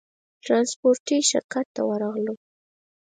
ترانسپورټي شرکت ته ورغلو.